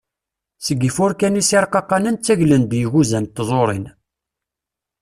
Seg yifurkan-is irqaqanen ttaglen-d yiguza n tẓurin.